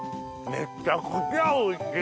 めちゃくちゃおいしい！